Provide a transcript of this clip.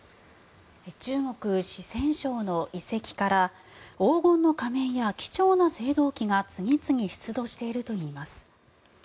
中国・四川省の遺跡から黄金の仮面や貴重な青銅器が次々、出土しているといいます。